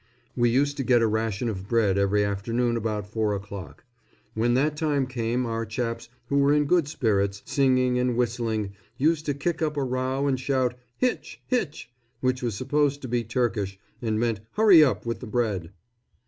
We used to get a ration of bread every afternoon about four o'clock. When that time came our chaps, who were in good spirits, singing and whistling, used to kick up a row and shout, "Hich, Hich!" which was supposed to be Turkish, and meant hurry up with the bread.